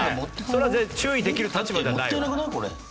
それは注意できる立場じゃないわ。